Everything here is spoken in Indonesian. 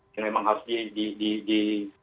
yang memang harus di